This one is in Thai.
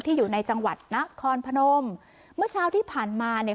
อยู่ในจังหวัดนครพนมเมื่อเช้าที่ผ่านมาเนี่ย